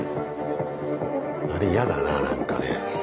あれ嫌だな何かね。